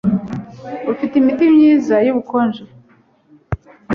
Ufite imiti myiza yubukonje?